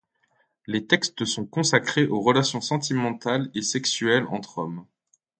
Les textes sont consacrés aux relations sentimentales et sexuelles entre hommes.